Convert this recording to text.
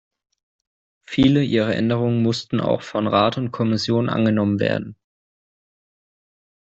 Viele ihrer Änderungen mussten auch von Rat und Kommission angenommen werden.